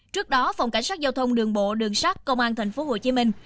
trước đó phòng cảnh sát giao thông đường bộ đường sát công an thành phố hồ chí minh